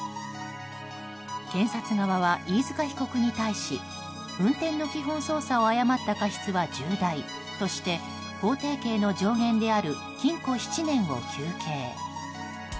検察側は飯塚被告に対し運転の基本操作を誤った過失は重大として法定の上限である禁錮７年を求刑。